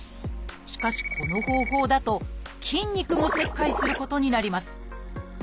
しかしこの方法だと筋肉も切開することになります。